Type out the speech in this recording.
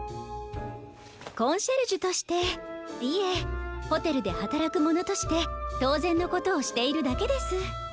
コンシェルジュとしていえホテルではたらくものとしてとうぜんのことをしているだけです。